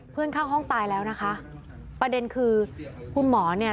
ข้างห้องตายแล้วนะคะประเด็นคือคุณหมอเนี่ย